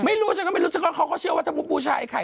ไม่รู้ฉันก็ไม่รู้ฉันก็เขาก็เชื่อว่าถ้ามุติบูชาไอ้ไข่